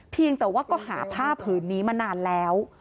เพียงแต่ว่าก็หาผ้าผืนนี้มานานแล้ว